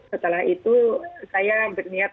setelah itu saya berniat